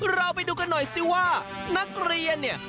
เราไปดูกันหน่อยสิว่านักเรียนเนี่ย